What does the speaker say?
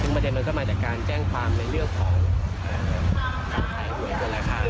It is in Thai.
ประเด็นมันก็มาจากการแจ้งความในเรื่องของการแจ้งความเท็จครับ